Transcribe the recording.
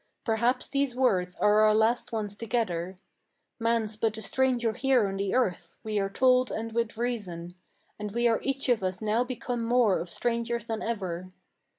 Perhaps these words are our last ones together. Man's but a stranger here on the earth, we are told and with reason; And we are each of us now become more of strangers than ever.